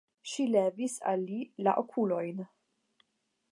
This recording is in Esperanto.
Ŝi levis al li la okulojn.